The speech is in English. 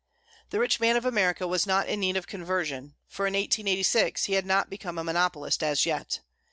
The rich man of America was not in need of conversion, for, in 1886, he had not become a monopolist as yet.